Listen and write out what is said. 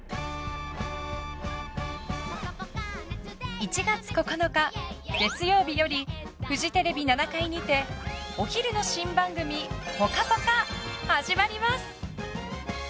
１月９日、月曜日よりフジテレビ７階にてお昼の新番組「ぽかぽか」始まります。